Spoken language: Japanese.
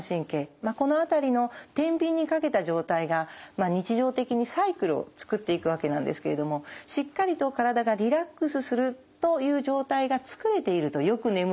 まあこの辺りのてんびんにかけた状態が日常的にサイクルをつくっていくわけなんですけれどもしっかりと体がリラックスするという状態がつくれているとよく眠れる。